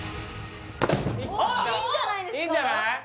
いいんじゃないですか？